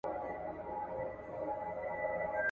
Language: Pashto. زموږ یې خټه ده اغږلې له تنوره !.